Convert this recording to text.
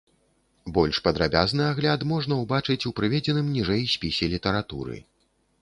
Больш падрабязны агляд можна ўбачыць у прыведзеным ніжэй спісе літаратуры.